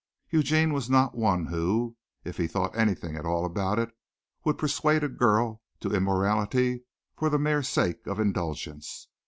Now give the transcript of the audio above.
Eugene was not one who, if he thought anything at all about it, would persuade a girl to immorality for the mere sake of indulgence.